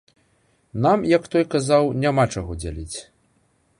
Нам, як той казаў, няма чаго дзяліць.